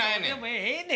ええねん